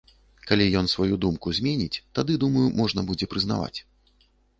Калі ён сваю думку зменіць, тады, думаю, можна будзе прызнаваць.